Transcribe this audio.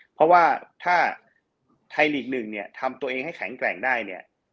เพราะว่าถ้าไทยหลีก๑ทำตัวเองให้แข็งแกร่งได้